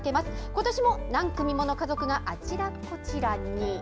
今年も何組もの家族があちらこちらに。